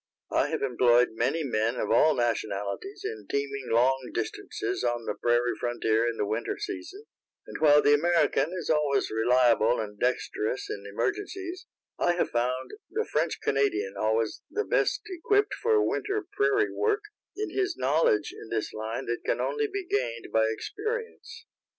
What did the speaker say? I have employed many men of all nationalities in teaming long distances on the prairie frontier in the winter season, and while the American is always reliable and dexterous in emergencies, I have found the French Canadian always the best equipped for winter prairie work, in his knowledge in this line that can only be gained by experience.